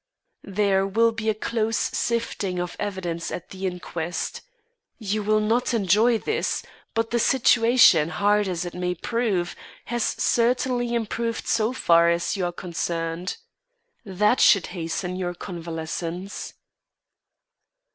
"There will be a close sifting of evidence at the inquest. You will not enjoy this; but the situation, hard as it may prove, has certainly improved so far as you are concerned. That should hasten your convalescence."